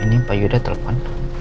ini pak yuda telpon